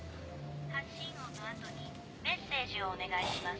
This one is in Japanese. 「発信音のあとにメッセージをお願いします」